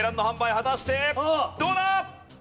果たしてどうだ？